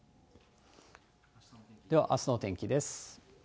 ではあすのお天気です。